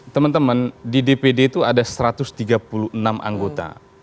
teman teman di dpd itu ada satu ratus tiga puluh enam anggota